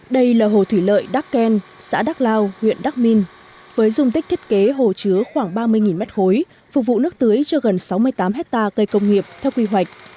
đây là hồ thủy lợi đắk ken xã đắk lao huyện đắc minh với dung tích thiết kế hồ chứa khoảng ba mươi m ba phục vụ nước tưới cho gần sáu mươi tám hectare cây công nghiệp theo quy hoạch